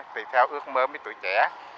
tùy theo ước mơ mấy tuổi trẻ